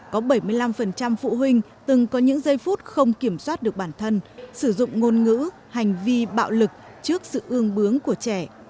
có bảy mươi năm phụ huynh từng có những giây phút không kiểm soát được bản thân sử dụng ngôn ngữ hành vi bạo lực trước sự ương bướng của trẻ